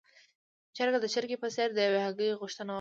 چرګ د چرګې په څېر د يوې هګۍ غوښتنه وکړه.